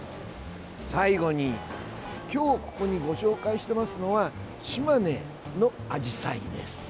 最後に、今日ここにご紹介していますのは島根のアジサイです。